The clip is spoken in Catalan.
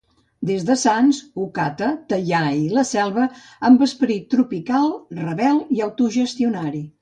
Des de Sants, Ocata, Teià i La Selva, amb esperit tropical, rebel i autogestionari.